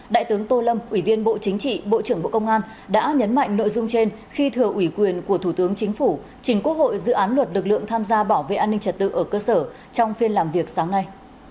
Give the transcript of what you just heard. đại tướng tô lâm ủy viên bộ chính trị bộ trưởng bộ công an đã nhấn mạnh nội dung trên khi thừa ủy quyền của thủ tướng chính phủ chính quốc hội dự án luật lực lượng tham gia bảo vệ an ninh trật tự ở cơ sở trong phiên làm việc sáng nay